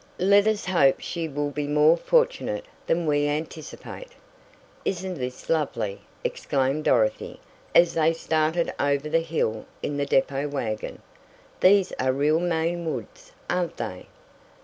"Let us hope she will be more fortunate than we anticipate." "Isn't this lovely!" exclaimed Dorothy, as they started over the hill in the depot wagon. "These are real Maine woods, aren't they?"